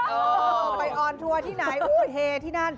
เออไปออนทัวร์ที่ไหนเฮที่นั่น